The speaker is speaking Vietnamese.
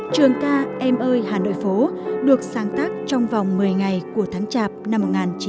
trường ca em ơi hà nội phố được sáng tác trong vòng một mươi ngày của tháng chạp năm một nghìn chín trăm bốn mươi